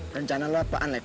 rencana lu apaaan lex